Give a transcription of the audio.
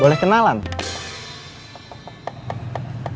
boleh juga disitulah suhu ini